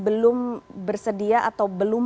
belum bersedia atau belum